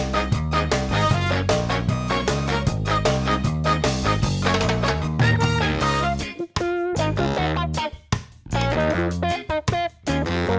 เป็นกำลังเก่งเลย